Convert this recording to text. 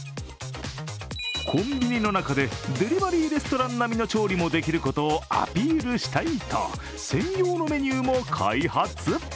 コンビニの中でデリバリーレストラン並みの調理もできることをアピールしたいと専用のメニューも開発。